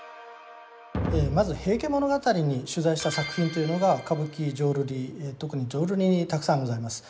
まず「平家物語」に取材した作品というのが歌舞伎浄瑠璃特に浄瑠璃にたくさんございます。